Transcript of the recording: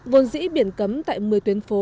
vốn dĩ biển cấm tại một mươi tuyến phố